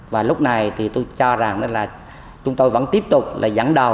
và lúc này thì tôi cho rằng là chúng tôi vẫn tiếp tục là dẫn đầu